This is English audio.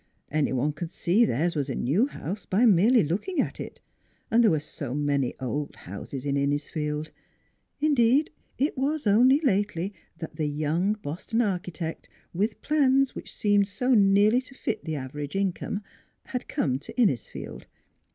Any one could see theirs was a new house by merely looking at it, and there were so many old houses in Innisfield. Indeed, it was only lately that the young Boston architect, with plans which seemed so nearly to fit the aver age income, had come to Innisfield.